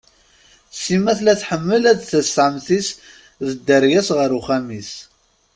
Sima tella tḥemmel ad tas ɛemti-s d dderya-s ɣer uxxam-is.